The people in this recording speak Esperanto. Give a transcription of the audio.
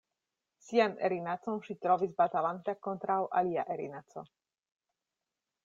Sian erinacon ŝi trovis batalanta kontraŭ alia erinaco.